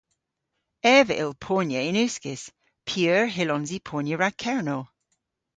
Ev a yll ponya yn uskis. P'eur hyllons i ponya rag Kernow?